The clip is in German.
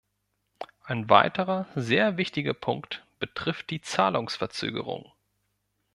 Ein weiterer sehr wichtiger Punkt betrifft die Zahlungsverzögerungen.